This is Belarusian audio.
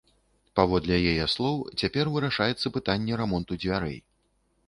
Паводле яе слоў, цяпер вырашаецца пытанне рамонту дзвярэй.